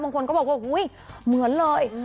บางคนก็บอกว่าอุ๊ยเหมือนเลย